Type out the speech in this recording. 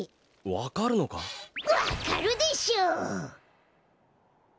わかるでしょう！